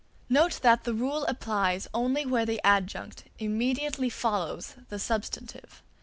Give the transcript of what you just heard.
Note that the rule applies only where the adjunct immediately follows the substantive.